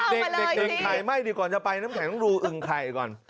เด็กอึ่งไข่ไหม้ดีกว่าจะไปน้ำแข็งต้องดูอึ่งไข่ก่อน